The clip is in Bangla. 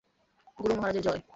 গুরু মহারাজের জয়।